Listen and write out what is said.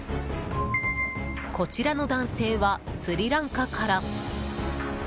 こちらの男性はスリランカから。